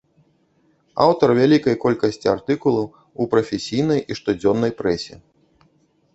Аўтар вялікай колькасці артыкулаў у прафесійнай і штодзённай прэсе.